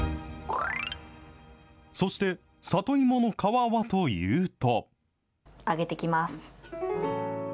そして、里芋の皮はというと。